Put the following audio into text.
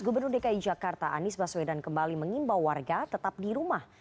gubernur dki jakarta anies baswedan kembali mengimbau warga tetap di rumah